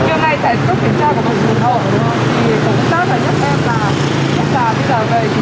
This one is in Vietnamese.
bây giờ em ra cái lúc khác là sao chỉ đi chợ